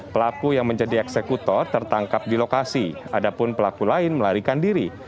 pelaku yang menjadi eksekutor tertangkap di lokasi adapun pelaku lain melarikan diri